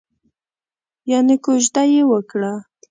یانې کوژده یې وکړه؟